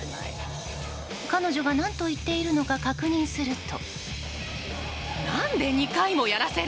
彼女が何と言っているのか確認すると。